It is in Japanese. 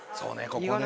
ここね。